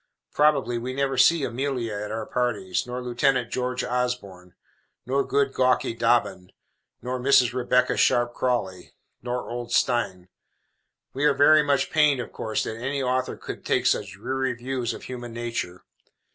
Probably we never see Amelia at our parties, nor Lieutenant George Osborne, nor good gawky Dobbin, nor Mrs. Rebecca Sharp Crawley, nor old Steyne. We are very much pained, of course, that any author should take such dreary views of human nature.